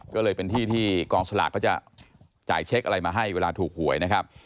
ก็เลยเป็นที่ที่กองสลากก็จะจ่ายเช็คอะไรมาให้เวลาถูกหวยนะครับ